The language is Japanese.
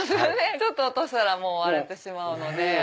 ちょっと落としたら割れてしまうので。